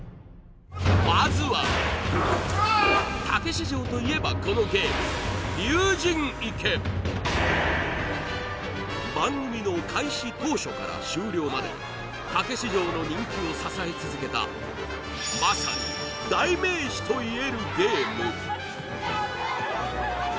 まずはたけし城といえばこのゲーム竜神池番組の開始当初から終了までたけし城の人気を支え続けたまさに代名詞といえるゲーム